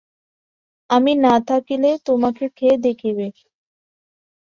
আমি না থাকিলে তোমাকে কে দেখিবে?